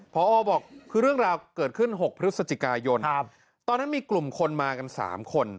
พอบอกคือเรื่องราวเกิดขึ้น๖พฤศจิกายนตอนนั้นมีกลุ่มคนมากัน๓คน